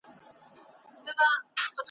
له سهاره تر ماښامه ګرځېدل وه `